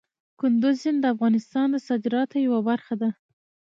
کندز سیند د افغانستان د صادراتو یوه برخه ده.